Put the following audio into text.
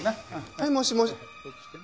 はいもしもし。